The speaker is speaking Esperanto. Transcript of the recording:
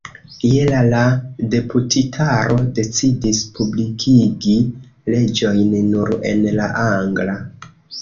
Je la la deputitaro decidis publikigi leĝojn nur en la angla.